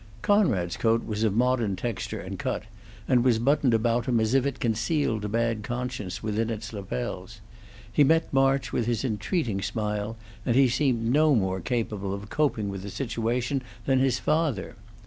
Conrad's coat was of modern texture and cut, and was buttoned about him as if it concealed a bad conscience within its lapels; he met March with his entreating smile, and he seemed no more capable of coping with the situation than his father.